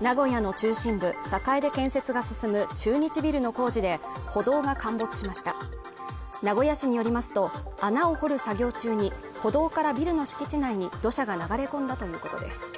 名古屋の中心部栄で建設が進む中日ビルの工事で歩道が陥没しました名古屋市によりますと穴を掘る作業中に歩道からビルの敷地内に土砂が流れ込んだということです